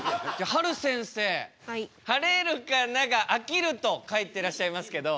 「はれるかながあきる」と書いてらっしゃいますけど。